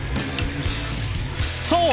そう！